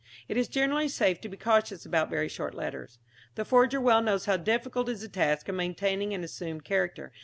It is generally safe to be cautious about very short letters. The forger well knows how difficult is the task of maintaining an assumed character.